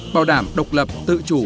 bảo đảm độc lập tự chủ